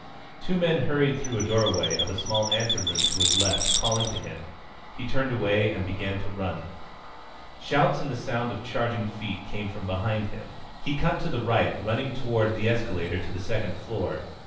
Two men hurried through a doorway of a small anteroom to his left, calling to him. He turned away and began to run. Shouts and the sound of charging feet came from behind him. He cut to the right, running toward the escalator to the second floor.